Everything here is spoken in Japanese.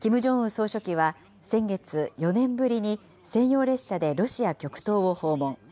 総書記は先月、４年ぶりに専用列車でロシア極東を訪問。